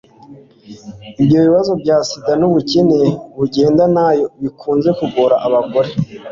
ibyo bibazo bya sida n'ubukene bugendana nayo bikunze kugora abagore